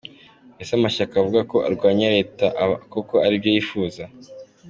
Ese amashyaka avuga ko arwanya leta aba koko aribyo yifuza?